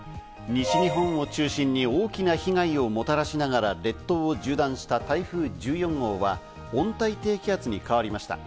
西日本を中心に大きな被害をもたらしながら列島を縦断した台風１４号は温帯低気圧に変わりました。